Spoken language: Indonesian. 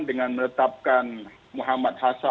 dengan meletakkan muhammad hasah